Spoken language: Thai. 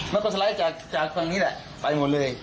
มันก็สไลด์จากฝั่งนี้แหละไปหมดเลย